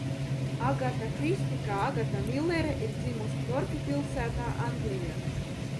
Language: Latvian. Agata Kristi kā Agata Millere ir dzimusi Torkī pilsētā, Anglijā.